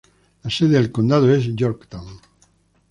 La sede del condado es Yorktown.